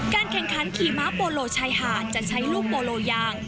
แข่งขันขี่ม้าโปโลชายหาดจะใช้ลูกโปโลยาง